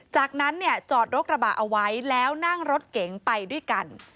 จากนั้นเนี่ยจอดรถกระบะเอาไว้แล้วนั่งรถเก๋งไปด้วยกัน